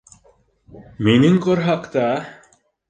— Минең ҡорһаҡта...